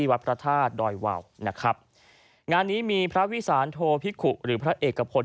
วัดพระธาตุดอยวาวนะครับงานนี้มีพระวิสานโทพิกุหรือพระเอกพล